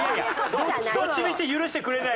どっちみち許してくれない。